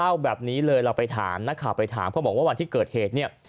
เล่าแบบนี้เลยเราไปถามนักข่าวไปถามเพราะบอกว่าวันที่เกิดเหตุเนี่ย